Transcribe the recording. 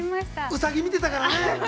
◆ウサギ見てたからね。